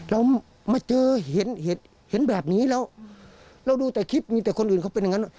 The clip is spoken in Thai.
เรามาเจอเห็นแบบนี้แล้วเราดูแต่คลิปมีแต่คนอื่นเขาเป็นอย่างนั้น